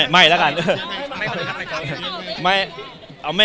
ไม่ละครับ